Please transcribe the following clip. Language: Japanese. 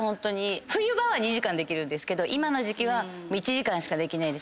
冬場は２時間できるんですけど今の時季は１時間しかできない。